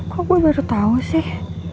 kok gue baru tahu sih